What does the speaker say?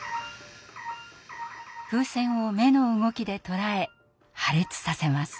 風船を目の動きで捉え破裂させます。